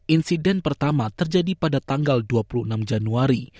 insiden pertama terjadi pada tanggal dua puluh enam januari